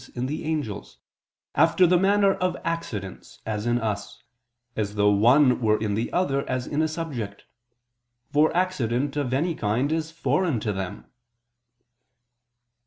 in the angels) after the manner of accidents, as in us: as though one were in the other as in a subject: for accident of any kind is foreign to them."